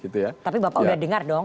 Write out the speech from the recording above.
tapi bapak udah dengar dong